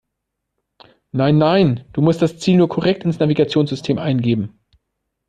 Nein, nein, du musst das Ziel nur korrekt ins Navigationssystem eingeben.